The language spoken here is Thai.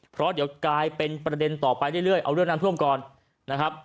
เพราะเดี๋ยวกลายเป็นประเด็นต่อไปเรื่อยเอาเรื่องน้ำท่วมก่อนนะครับ